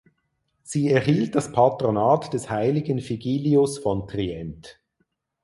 Sie erhielt das Patronat des heiligen Vigilius von Trient.